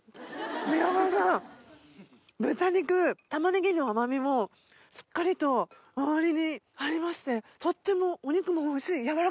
宮川さん豚肉たまねぎの甘味もしっかりと周りにありましてとってもお肉もおいしい軟らかい！